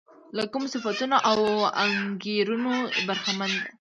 له کومو صفتونو او انګېرنو برخمنه ده.